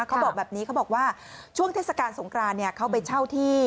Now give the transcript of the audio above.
เขาบอกแบบนี้เขาบอกว่าช่วงเทศกาลสงครานเขาไปเช่าที่